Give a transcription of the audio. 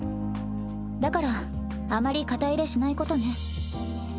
だからあまり肩入れしないことね。